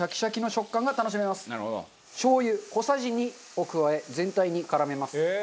しょう油小さじ２を加え全体に絡めます。